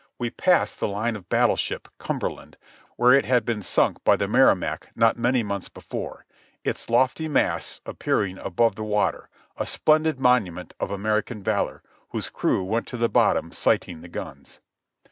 We passed the line of bat tleship Cumberland, where it had been sunk by the Merri mac not many months before, its lofty masts appearing above the water, a splendid monument of American valor, whose crew went to the bottom sighting the guns.